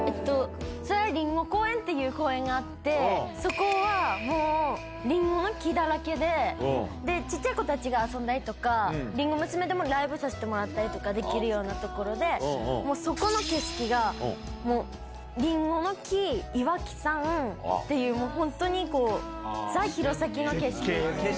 りんご公園っていう公園があって、そこは、もうりんごの木だらけで、ちっちゃい子たちが遊んだりとか、りんご娘でもライブさせてもらったりできるような所で、もうそこの景色がもうりんごの木、岩木山っていう、本当にこう、ザ・弘前の景色。